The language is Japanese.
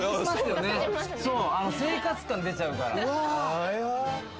生活感、出ちゃうから。